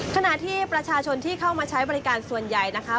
ขณะที่ประชาชนที่เข้ามาใช้บริการส่วนใหญ่นะคะ